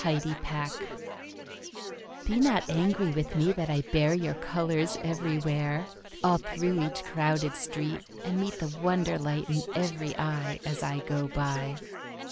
Apology Be not angry with me that I bear Your colours everywhere, All through each crowded street, And meet The wonder light in every eye, As I go by.